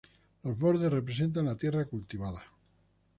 Los bordes representan la tierra cultivada.